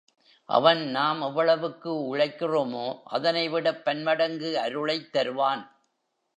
அவன் நாம் எவ்வளவுக்கு உழைக்கிறோமோ அதனைவிடப் பன்மடங்கு அருளைத் தருவான்.